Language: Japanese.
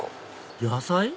野菜？